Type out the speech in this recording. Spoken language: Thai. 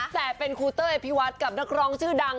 แต่เป็นคูเตอร์เอภิวัตกับนักร่องชื่อดัง